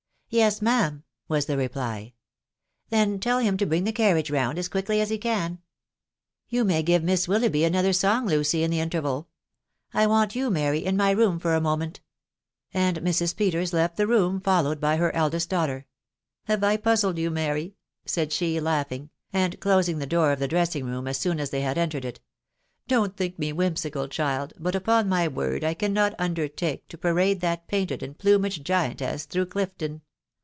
" Yes, ma'am," was the reply. " Then tell him to bring die carriage round as quickly as he can. ... You may give Miss Willoughby another song, Lucy, in the interval. I want you, Mary, in my room for a moment" .... And Mrs. Peters left the room followed by her eldest daughter. "Have I puzzled you, Mary V said. *\&e, \ro^Jnm%, sxid closing the door of the dressing room as soon as ttie^ ^*& THE WIDOW BARNABY. 129 entered it. ..." Don't think me whimsical, child, but upon my word I cannot undertake to parade that painted and plumaged giantess through Clifton.